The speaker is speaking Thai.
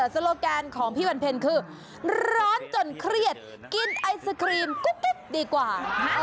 โซโลแกนของพี่วันเพ็ญคือร้อนจนเครียดกินไอศครีมกุ๊กดีกว่า